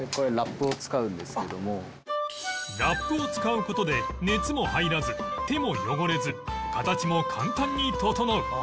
ラップを使う事で熱も入らず手も汚れず形も簡単に整う。